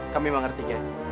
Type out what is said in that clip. kami mengerti kak